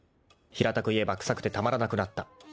［平たく言えば臭くてたまらなくなった］